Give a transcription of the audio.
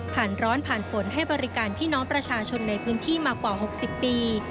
ร้อนผ่านฝนให้บริการพี่น้องประชาชนในพื้นที่มากว่า๖๐ปี